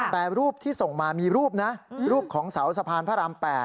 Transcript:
แต่รูปที่ส่งมามีรูปนะรูปของเสาสะพานพระราม๘